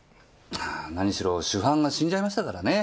ああ何しろ主犯が死んじゃいましたからね。